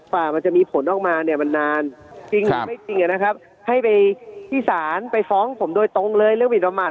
กว่ามันจะมีผลออกมาเนี่ยมันนานจริงหรือไม่จริงนะครับให้ไปที่ศาลไปฟ้องผมโดยตรงเลยเรื่องหมินประมาท